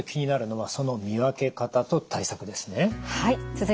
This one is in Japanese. はい。